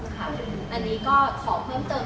อันนี้ก็ขอเพิ่มเติม